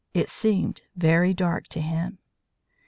It seemed very dark to him.